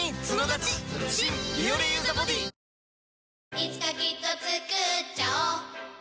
いつかきっとつくっちゃおう